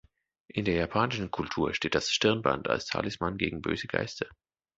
In der japanischen Kultur steht das Stirnband als Talisman gegen böse Geister.